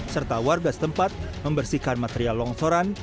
serta warga setempat membersihkan material longsoran